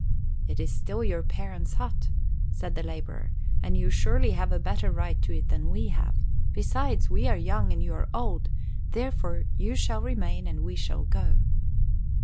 "It is still your parents' hut," said the laborer, "and you surely have a better right to it than we have. Besides, we are young and you are old; therefore, you shall remain and we will go."